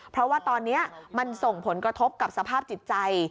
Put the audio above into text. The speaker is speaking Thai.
เพราะว่าตอนนี้มันส่งผลกระทบกับสภาพจิตใจ